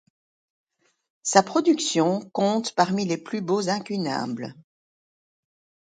Sa production compte parmi les plus beaux incunables.